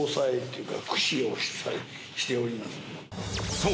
［そう！